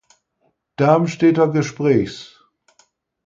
Darmstädter Gesprächs.